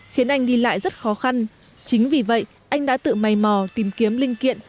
khiến anh đi lại rất khó khăn chính vì vậy anh đã tự mây mò tìm kiếm linh kiện